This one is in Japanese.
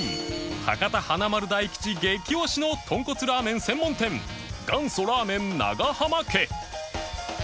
博多華丸・大吉激推しのとんこつラーメン専門店元祖ラーメン長浜家